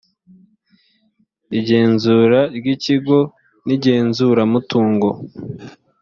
igenzura ry’ikigo n’igenzuramutungo